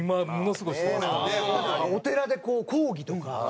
お寺でこう講義とか。